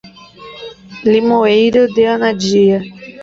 Limoeiro de Anadia